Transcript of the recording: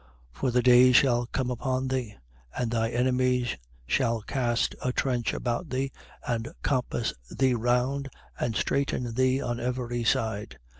19:43. For the days shall come upon thee: and thy enemies shall cast a trench about thee and compass thee round and straiten thee on every side, 19:44.